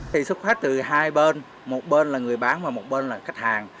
thì xuất phát từ hai bên một bên là người bán và một bên là khách hàng